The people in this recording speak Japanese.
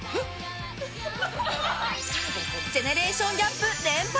ジェネレーションギャップ連発！